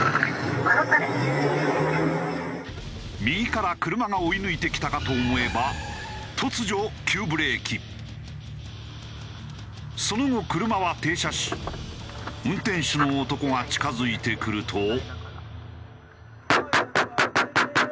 右から車が追い抜いてきたかと思えば突如その後車は停車し運転手の男が近付いてくると。